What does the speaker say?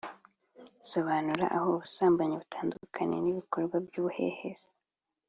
Sobanura aho ubusambanyi butandukaniye n’ibikorwa by’ubuhehesi?